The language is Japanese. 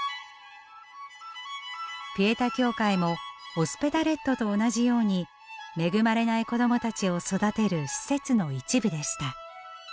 ピエタ教会もオスペダレットと同じように恵まれない子どもたちを育てる施設の一部でした。